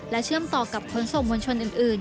เชื่อมต่อกับขนส่งมวลชนอื่น